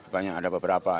banyak ada beberapa